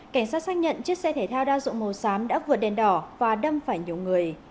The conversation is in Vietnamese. cảnh sát xác nhận chiếc xe thể thao đa dụng màu xám đã vượt đèn đỏ và đâm phải nhiều người